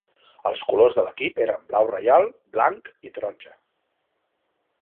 Els colors de l'equip eren blau reial, blanc i taronja.